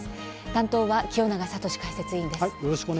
担当は清永聡解説委員です。